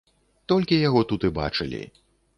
Толькі яго тут і бачылі!